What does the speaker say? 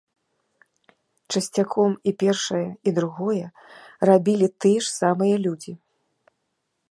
Часцяком і першае, і другое рабілі тыя ж самыя людзі.